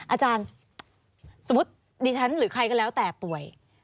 อาจารย์สมมุติดิฉันหรือใครก็แล้วแต่ป่วย